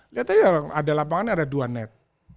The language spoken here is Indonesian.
lihat aja ada lapangan ada dua net